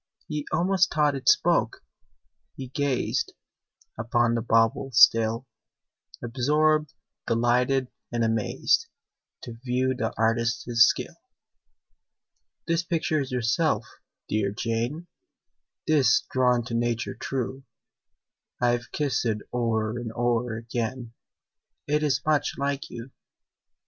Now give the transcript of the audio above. He almost thought it spoke: he gazed Upon the bauble still, Absorbed, delighted, and amazed, To view the artist's skill. "This picture is yourself, dear Jane 'Tis drawn to nature true: I've kissed it o'er and o'er again, It is much like you."